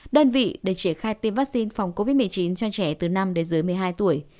đơn vị để triển khai tiêm vaccine phòng covid một mươi chín cho trẻ từ năm đến dưới một mươi hai tuổi